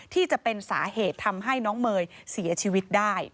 ที่จะเป็นสาเหตุทำให้น้องเมย์เสียชีวิตได้